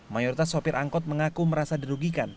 mayoritas supir angkut mengaku merasa dirugikan